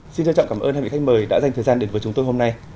xin trân trọng cảm ơn hai vị khách mời đã dành thời gian đến với chúng tôi hôm nay